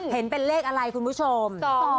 เห็นเป็นเลขอะไรคุณผู้ชม